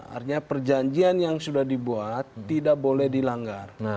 artinya perjanjian yang sudah dibuat tidak boleh dilanggar